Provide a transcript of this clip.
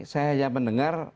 saya hanya mendengar